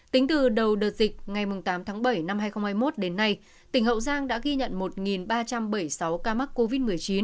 tính từ đầu đợt dịch ngày tám tháng bảy năm hai nghìn hai mươi một đến nay tỉnh hậu giang đã ghi nhận một ba trăm bảy mươi sáu ca mắc covid một mươi chín